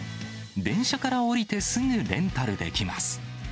電車から降りてすぐレンタルできます。